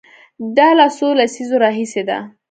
دا له څو لسیزو راهیسې ده.